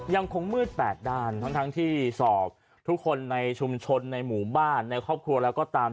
ยังคงมืดแปดด้านทั้งที่สอบทุกคนในชุมชนในหมู่บ้านในครอบครัวแล้วก็ตาม